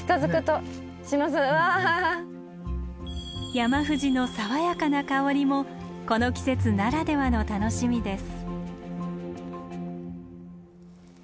ヤマフジの爽やかな香りもこの季節ならではの楽しみです。